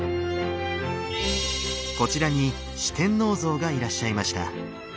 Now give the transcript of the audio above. こちらに四天王像がいらっしゃいました。